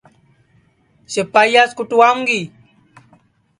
سِپائییاس کُوٹاؤں گی